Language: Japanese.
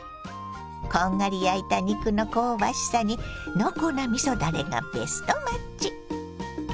こんがり焼いた肉の香ばしさに濃厚なみそだれがベストマッチ。